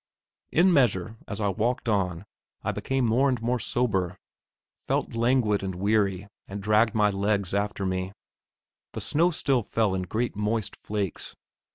In measure, as I walked on, I become more and more sober; felt languid and weary, and dragged my legs after me. The snow still fell in great moist flakes.